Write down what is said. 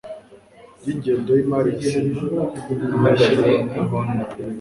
ry ingengo y imari ya Sena n ishyirwa mu